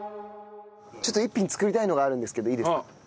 ちょっと一品作りたいのがあるんですけどいいですか？